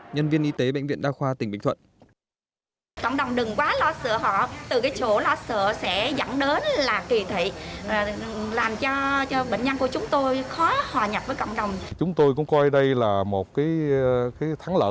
nhân viên y tế bệnh viện đa khoa tỉnh bình thuận